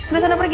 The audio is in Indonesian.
udah sana pergi